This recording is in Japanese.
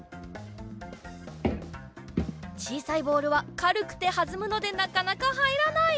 ちいさいボールはかるくてはずむのでなかなかはいらない！